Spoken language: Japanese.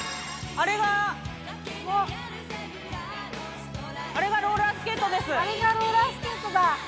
あれがローラースケートです。